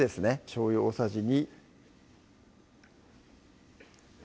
しょうゆ大さじ２